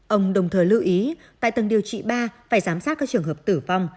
ông đồng thời lưu ý tại tầng điều trị ba phải giám sát các trường hợp tử vong